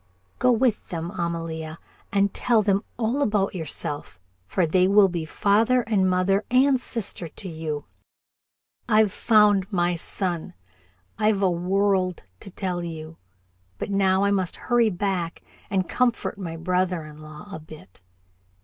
Go with them, Amalia, and tell them all about yourself, for they will be father and mother and sister to you. I've found my son I've a world to tell you, but now I must hurry back and comfort my brother in law a bit."